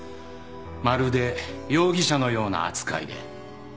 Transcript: まるで容疑者のような扱いで。